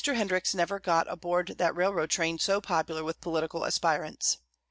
Hendricks never got aboard that railroad train so popular with political aspirants.